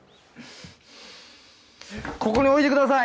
ここに置いてください！